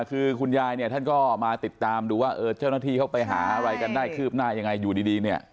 คือคุณยายเนี่ยท่านก็มาติดตามดูว่าเออเจ้าหน้าที่เขาไปหาอะไรกันได้คืบหน้ายังไงอยู่ดีเนี่ย